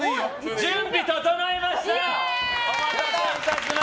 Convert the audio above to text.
準備整いました！え？